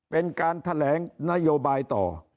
เป็นการแถลงนโยบายต่อ